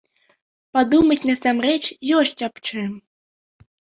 Падумаць насамрэч ёсць аб чым.